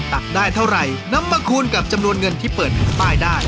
ตักได้เท่าไหร่นำมาคูณกับจำนวนเงินที่เปิดแผ่นป้ายได้